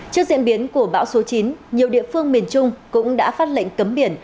trước diễn biến của bão số chín nhiều địa phương miền trung cũng đã phát lệnh cấm biển